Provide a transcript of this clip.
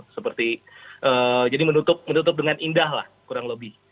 seperti jadi menutup dengan indah lah kurang lebih